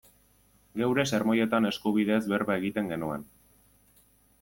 Geure sermoietan eskubideez berba egiten genuen.